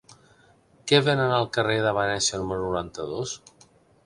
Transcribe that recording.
Què venen al carrer de Venècia número noranta-dos?